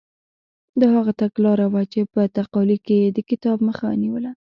دا هغه تګلاره وه چې په تقالي کې یې د کتاب مخه نیوله.